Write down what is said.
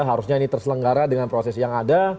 harusnya ini terselenggara dengan proses yang ada